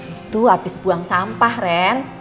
itu habis buang sampah ren